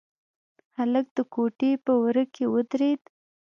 هلک د کوټې په وره کې ودرېد.